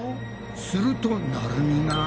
するとなるみが。